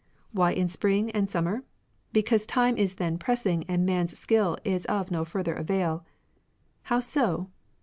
Why in spring and summer ? Because tune is then pressing and man's skiU is of no further avail. How so